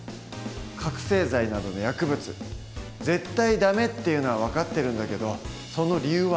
覚醒剤などの薬物「絶対ダメ」っていうのは分かってるんだけどその理由は？